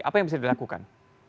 apa yang bisa dilakukan